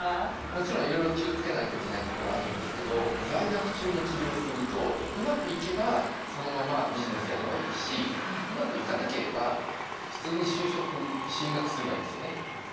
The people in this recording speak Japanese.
もちろんいろいろ気をつけないといけないところあるんですけど在学中に起業するとうまくいけばそのままビジネスやればいいしうまくいかなければ普通に就職進学すればいいんですよね。